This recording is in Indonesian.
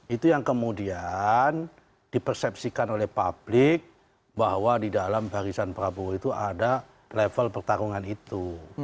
itu yang kemudian dipersepsikan oleh publik bahwa di dalam barisan prabowo itu ada level pertarungan itu